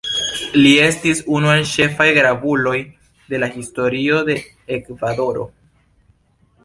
Li estis unu el ĉefaj gravuloj de la Historio de Ekvadoro.